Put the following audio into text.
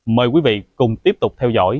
mời quý vị cùng tiếp tục theo dõi